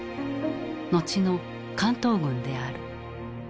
後の関東軍である。